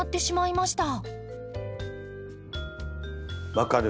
分かる。